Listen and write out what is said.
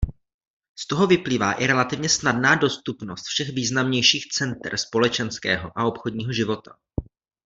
Z toho vyplývá i relativně snadná dostupnost všech významnějších center společenského a obchodního života.